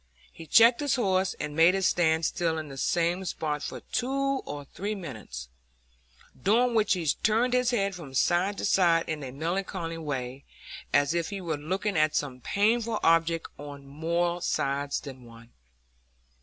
He checked his horse, and made it stand still in the same spot for two or three minutes, during which he turned his head from side to side in a melancholy way, as if he were looking at some painful object on more sides than one.